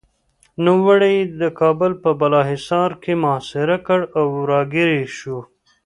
نوموړي یې د کابل په بالاحصار کې محاصره کړ او راګېر شو.